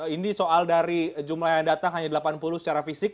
ini soal dari jumlah yang datang hanya delapan puluh secara fisik